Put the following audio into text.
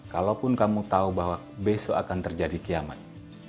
kalaupun kamu tahu bahwa besok akan terjadi kiamat